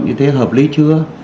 như thế hợp lý chưa